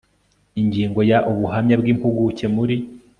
ingingo ya ubuhamya bw impuguke muri